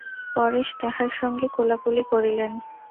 পরেশ তাহার সঙ্গে কোলাকুলি করিলেন।